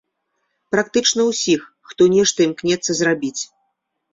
Практычна ўсіх, хто нешта імкнецца зрабіць.